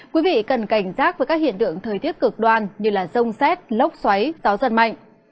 quý vị cần cảnh giác với các hiện tượng thời tiết cực đoan như rông xét lốc xoáy gió giật mạnh